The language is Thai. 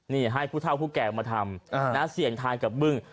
นี่ให้ผู้เท่าผู้แก่มาทำนะเสี่ยงทานกับบึ้ง